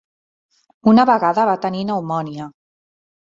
Una vegada va tenir pneumònia.